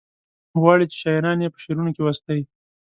غواړي چې شاعران یې په شعرونو کې وستايي.